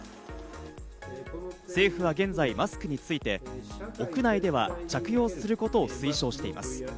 政府は現在、マスクについて、屋内では着用することを推奨しています。